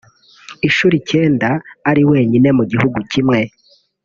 inshuro icyenda ari wenyine mu gihugu kimwe